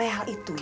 nah ini ini